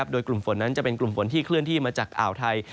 โดยกลุ่มฝนนั้นจะเป็นกลุ่มฝนที่เคลื่อนที่มาจากอ่าวไทย